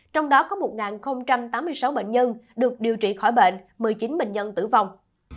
trong đó có một tám mươi sáu bệnh nhân được điều trị khỏi bệnh một mươi chín bệnh nhân tử vong